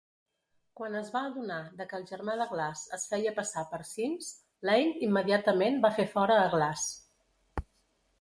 Quan es va adonar de que el germà de Glass es feia passar per Sims, Lane immediatament va fer fora a Glass.